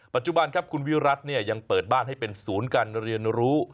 ปัจจุบันครับคุณวิรัติเนี่ยยังเปิดบ้านให้เป็นศูนย์การเรียนรู้